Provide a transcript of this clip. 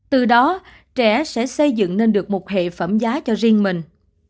từ đó trẻ sẽ xây dựng nên được một hệ phẩm giá cho riêng mình